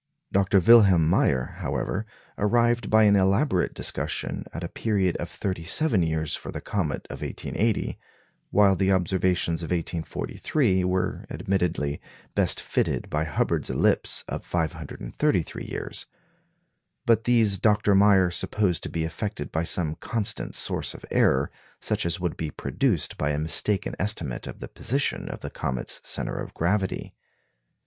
Dr. Wilhelm Meyer, however, arrived, by an elaborate discussion, at a period of thirty seven years for the comet of 1880, while the observations of 1843 were admittedly best fitted by Hubbard's ellipse of 533 years; but these Dr. Meyer supposed to be affected by some constant source of error, such as would be produced by a mistaken estimate of the position of the comet's centre of gravity.